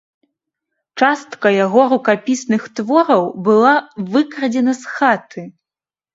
Частка яго рукапісных твораў была выкрадзена з хаты.